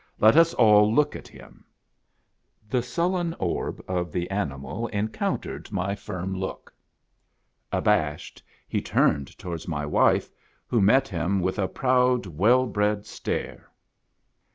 Let us all look at him." The sullen orb of the animal encountered my firm look. Abashed he turned towards my wife, who met him with a proud, well bred stare.